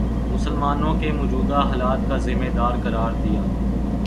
مسلمانوں کے موجودہ حالات کا ذمہ دار قرار دیا